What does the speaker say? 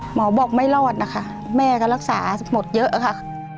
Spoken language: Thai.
หมอบอกไม่รอดนะคะแม่ก็รักษาหมดเยอะค่ะ